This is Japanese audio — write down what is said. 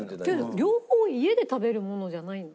両方家で食べるものじゃないの？